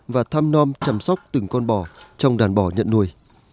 và thăm non chăm sóc từng con bò trong đàn bò nhận nuôi